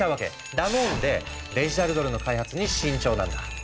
だもんでデジタルドルの開発に慎重なんだ。